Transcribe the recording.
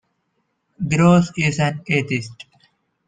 Gross is an atheist.